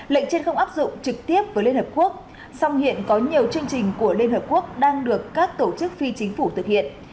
lệnh trên không áp dụng trực tiếp với liên hợp quốc song hiện có nhiều chương trình của liên hợp quốc đang được các tổ chức phi chính phủ thực hiện